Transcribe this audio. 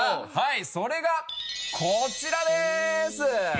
それがこちらでーす！